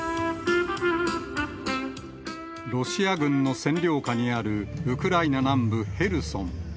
ロシア軍の占領下にあるウクライナ南部ヘルソン。